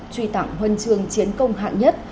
truy tặng huân trường chiến công hạng nhất